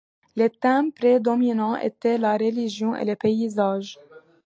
Les thèmes prédominants étaient la religion et les paysages.